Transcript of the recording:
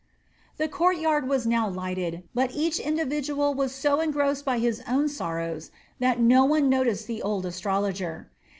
The courtyard was now lighted, but each individual was so engrossed by his own sorrows that no one noticed the old astrologer.